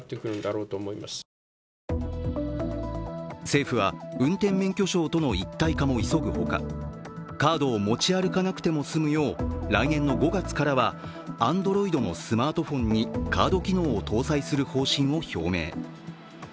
政府は運転免許証との一体化も急ぐほか、カードを持ち歩かなくても済むよう、来年５月からはＡｎｄｒｏｉｄのスマートフォンにカード機能を搭載する方針を表明。